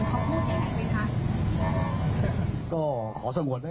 อยากให้โดนสามนาทีที่สามคุณเขาพูดอย่างไรไปคะ